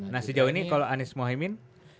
nah sejauh ini kalau anies mohaimin